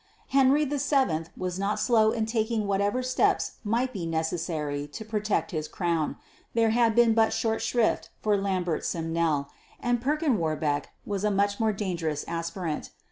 Henry VII was not slow in taking whatever steps might be necessary to protect his crown; there had been but short shrift for Lambert Simnel, and Perkin Warbeck was a much more dangerous aspirant.